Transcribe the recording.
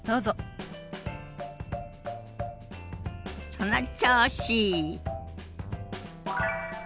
その調子！